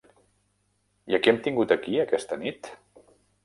I a qui hem tingut aquí aquesta nit?